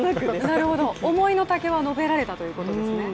思いの丈は述べられたということですね？